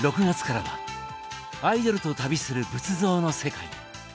６月からは「アイドルと旅する仏像の世界」。